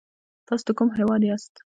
تاسو د کوم هېواد یاست ؟